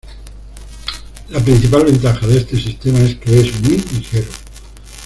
La principal ventaja de este sistema es que es muy ligero.